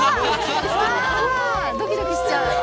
ドキドキしちゃう！